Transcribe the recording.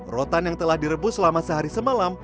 rotan yang telah direbus selama sehari semalam